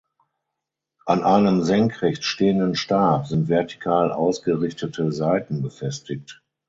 An einem senkrecht stehenden Stab sind vertikal ausgerichtete Saiten befestigt.